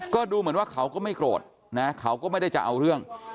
ก็ดูเหมือนว่าเขาก็ไม่โกรธนะเขาก็ไม่ได้จะเอาเรื่อง